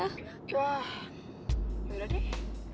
wah udah deh